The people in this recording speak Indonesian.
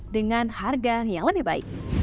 dengan harga yang lebih baik